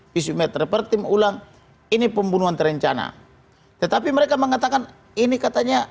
fisik metropertim ulang ini pembunuhan terencana tetapi mereka mengatakan ini katanya